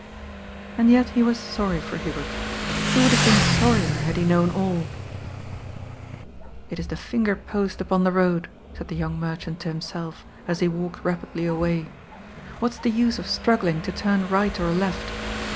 And yet he was sorry for Hubert. He would have been soiTier had he known all. " It is the finger post upon the 382 GOD'S POOL. Foad," said the young merchant to himself, as he walked rapidly away. ^^ What's the nse of straggling to tnm right or left?"